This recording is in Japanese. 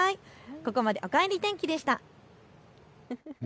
ここまで、おかえり天気でした。